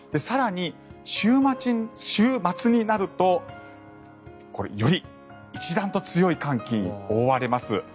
更に週末になるとより一段と強い寒気に覆われます。